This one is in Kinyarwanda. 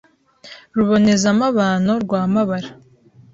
Rubonezamabano rwa Mabara